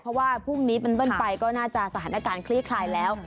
เพราะว่าพรุ่งนี้เป็นต้นไปก็น่าจะสถานการณ์คลี่คลายแล้ว